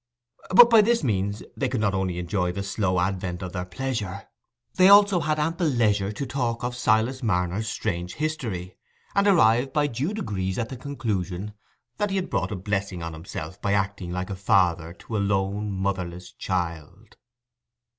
But by this means they could not only enjoy the slow advent of their pleasure; they had also ample leisure to talk of Silas Marner's strange history, and arrive by due degrees at the conclusion that he had brought a blessing on himself by acting like a father to a lone motherless child.